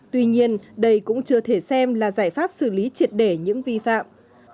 tuy nhiên đây cũng chưa thể xem là giải pháp xử lý triệt để những vi phạm